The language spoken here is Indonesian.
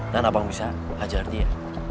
dan abang bisa hajar dia